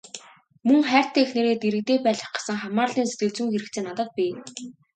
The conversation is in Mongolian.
Мөн хайртай эхнэрээ дэргэдээ байлгах гэсэн хамаарлын сэтгэлзүйн хэрэгцээ надад бий.